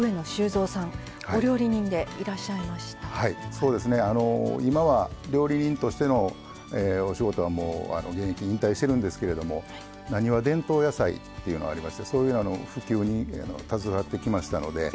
そうですねあの今は料理人としてのお仕事は現役引退してるんですけれども「なにわ伝統野菜」っていうのがありましてそういう普及に携わってきましたので。